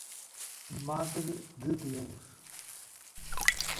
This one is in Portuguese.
Madre de Deus